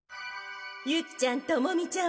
ユキちゃんトモミちゃん